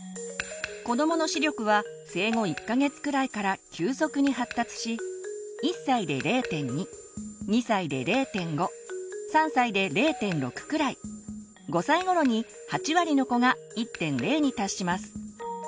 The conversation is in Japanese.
子どもの視力は生後１か月くらいから急速に発達し１歳で０．２２歳で０．５３歳で０．６くらい５歳頃に８割の子が１．０に達します。